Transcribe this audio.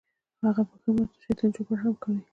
هغه به په ښه معاش د شیطان چوپړ هم وکړي.